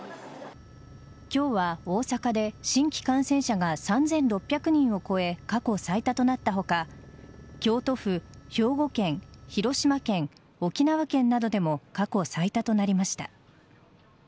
今日は大阪で新規感染者が３６００人を超え過去最多となった他京都府、兵庫県広島県、沖縄県などでも過去最多となりました。